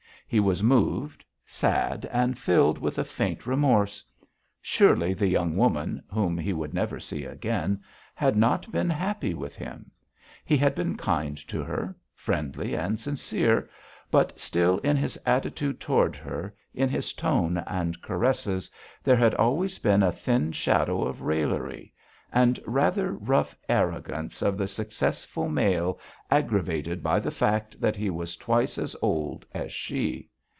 He was moved, sad, and filled with a faint remorse; surely the young woman, whom he would never see again, had not been happy with him; he had been kind to her, friendly, and sincere, but still in his attitude toward her, in his tone and caresses, there had always been a thin shadow of raillery, the rather rough arrogance of the successful male aggravated by the fact that he was twice as old as she.